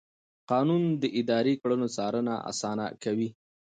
قانون د اداري کړنو څارنه اسانه کوي.